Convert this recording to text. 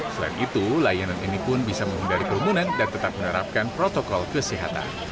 selain itu layanan ini pun bisa menghindari kerumunan dan tetap menerapkan protokol kesehatan